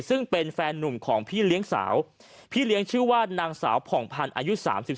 ซึ่งเป็นแฟนนุ่มของพี่เลี้ยงสาวพี่เลี้ยงชื่อว่านางสาวผ่องพันธุ์อายุ๓๓